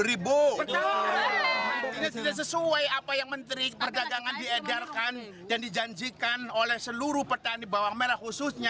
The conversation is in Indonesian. ini tidak sesuai apa yang menteri perdagangan diedarkan dan dijanjikan oleh seluruh petani bawang merah khususnya